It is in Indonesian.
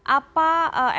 apa evaluasi dari ica